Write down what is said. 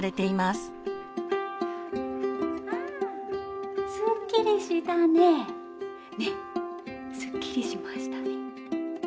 すっきりしましたね！